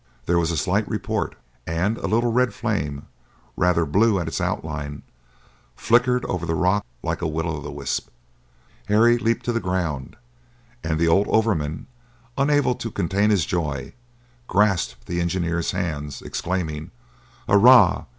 There was a slight report; and a little red flame, rather blue at its outline, flickered over the rock like a Will o' the Wisp. Harry leaped to the ground, and the old overman, unable to contain his joy, grasped the engineer's hands, exclaiming, "Hurrah!